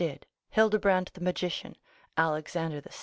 did, Hildebrand the magician, Alexander VI.